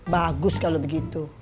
bagus kalau begitu